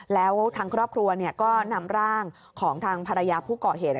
แล้วทางครอบครัวก็นำร่างของทางภรรยาผู้ก่อเหตุ